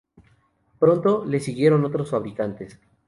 Pronto le siguieron otros fabricantes.